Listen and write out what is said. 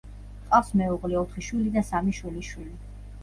ჰყავს მეუღლე, ოთხი შვილი და სამი შვილიშვილი.